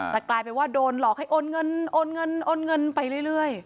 แต่กลายเป็นว่าโดนหลอกให้โอนเงินโอนเงินโอนเงินไปเรื่อย